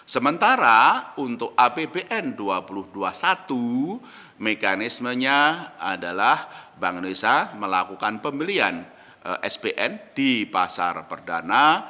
sementara untuk apbn dua ribu dua puluh satu mekanismenya adalah bank indonesia melakukan pembelian spn di pasar perdana